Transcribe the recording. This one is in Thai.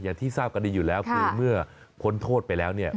อย่างที่ทราบกันดีอยู่แล้วคือเมื่อพ้นโทษไปแล้วเนี่ย